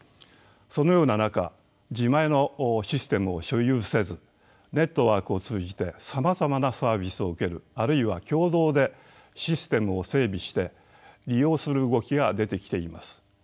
そのような中自前のシステムを所有せずネットワークを通じてさまざまなサービスを受けるあるいは共同でシステムを整備して利用する動きが出てきています。